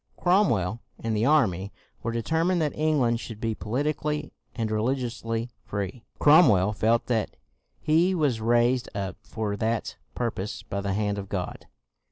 Cromwell and the army were determined that England should be po litically and religiously free. Cromwell felt that he was raised up for that pur pose by the hand of God.